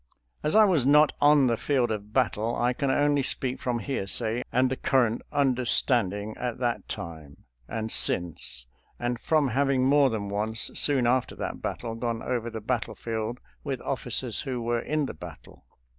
As I was not on the field of battle I can only speak from hearsay and the current understand ing at that time and since, and from having more than once, soon after that battle, gone over the battlefield with officers who were in the battle.